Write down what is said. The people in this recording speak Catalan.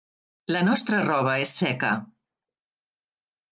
La nostra roba és seca.